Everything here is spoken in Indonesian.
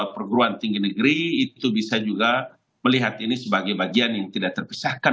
perguruan tinggi negeri itu bisa juga melihat ini sebagai bagian yang tidak terpisahkan